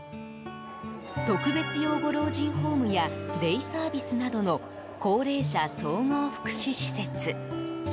特別養護老人ホームやデイサービスなどの高齢者総合福祉施設。